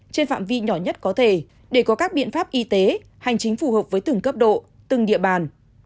trên phạm vi nhỏ nhất có thể để có các biện pháp y tế hành chính phù hợp với từng cấp độ từng địa bàn